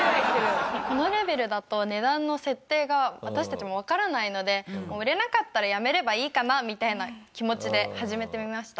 このレベルだと値段の設定が私たちもわからないので売れなかったらやめればいいかなみたいな気持ちで始めてみました。